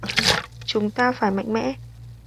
chúng ta phải mạnh mẽ